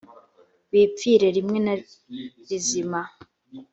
bipfire rimwe na rizima